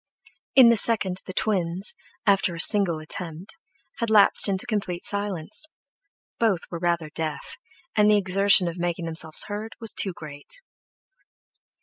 In the second the twins, after a single attempt, had lapsed into complete silence; both were rather deaf, and the exertion of making themselves heard was too great.